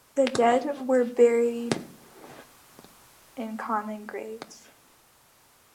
The dead were buried in common graves.